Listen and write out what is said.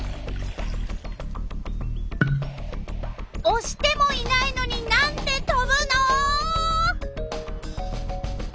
おしてもいないのになんでとぶの？